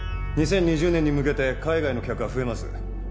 ２０２０年に向けて海外の客は増えます。